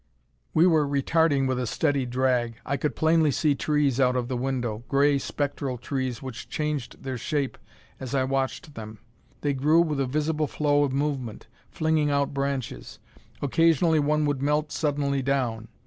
We were retarding with a steady drag. I could plainly see trees out of the window gray, spectral trees which changed their shape as I watched them. They grew with a visible flow of movement, flinging out branches. Occasionally one would melt suddenly down.